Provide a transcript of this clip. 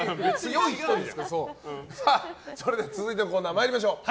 それでは、続いてのコーナー参りましょう。